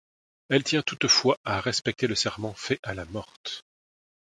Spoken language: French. Elle tient toutefois à respecter le serment fait à la morte.